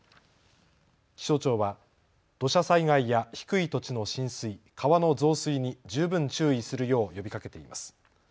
気象庁は土砂災害や低い土地の浸水、川の増水に十分注意するよう呼びかけています。